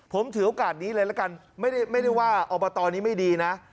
ผมถือโอกาสนี้เลยละกันไม่ได้ว่าอบตนี้ไม่ดีนะ